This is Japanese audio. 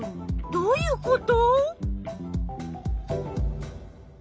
どういうこと？